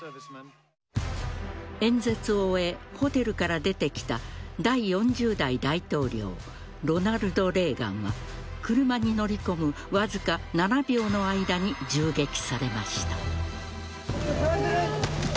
演説を終え、ホテルから出てきた第４０代大統領ロナルド・レーガンは車に乗り込む、わずか７秒の間に銃撃されました。